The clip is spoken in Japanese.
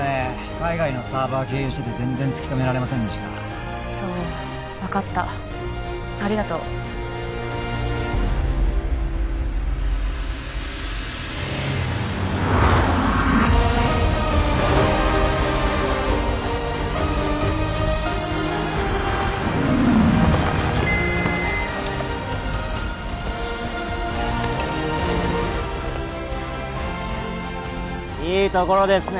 海外のサーバー経由してて全然突き止められませんでしたそう分かったありがとういいところですね